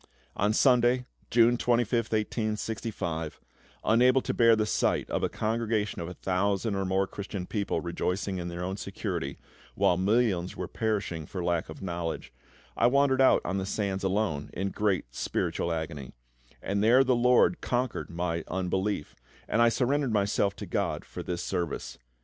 On Sunday, June 25th, 1865, unable to bear the sight of a congregation of a thousand or more Christian people rejoicing in their own security, while millions were perishing for lack of knowledge, I wandered out on the sands alone, in great spiritual agony; and there the LORD conquered my unbelief, and I surrendered myself to GOD for this service.